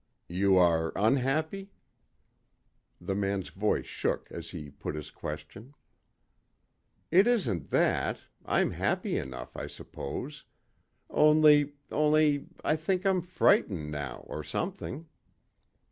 "You are unhappy?" The man's voice shook as he put his question. "It isn't that. I'm happy enough, I suppose. Only only I think I'm frightened now, or something.